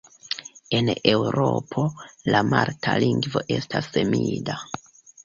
En Eŭropo, la malta lingvo estas semida.